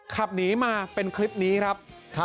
ขับหนีมาเป็นคลิปนี้ครับ